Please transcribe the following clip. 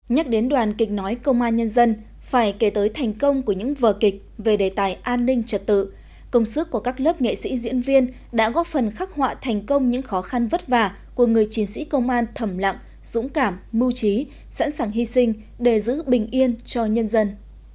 nhắc đến đoàn kịch nói công an nhân dân phải kể tới thành công của những vờ kịch về đề tài an ninh trật tự công sức của các lớp nghệ sĩ diễn viên đã góp phần khắc họa thành công những khó khăn vất vả của người chiến sĩ công an thẩm lặng dũng cảm mưu trí sẵn sàng hy sinh để giữ bình yên cho nhân dân